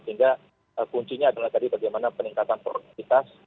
sehingga kuncinya adalah tadi bagaimana peningkatan produktivitas